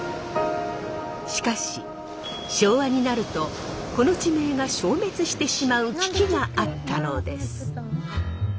しかし昭和になるとこの地名が消滅してしまう危機があったのです。